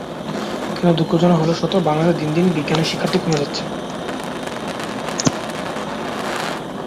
কিন্তু দুঃখজনক হলেও সত্য, বাংলাদেশে দিন দিন বিজ্ঞানের শিক্ষার্থী কমে যাচ্ছে।